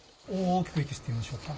大きく息、吸ってみましょうか。